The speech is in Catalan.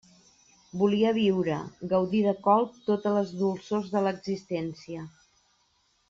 Volia viure, gaudir de colp totes les dolçors de l'existència.